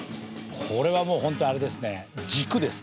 これはもう本当あれですね軸ですね。